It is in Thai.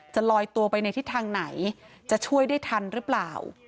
จะลอยตัวไปในทิศทางไหนจะช่วยได้ทันหรือเปล่า